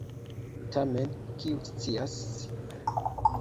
Tamen, kiu scias?...